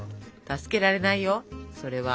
助けられないよそれは。